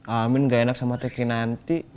amin gak enak sama teh kinanti